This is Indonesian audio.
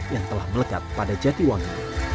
yang telah melekat pada jatiwangi